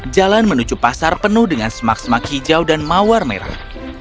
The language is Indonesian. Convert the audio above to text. jalan menuju pasar penuh dengan semak semak hijau dan mawar merah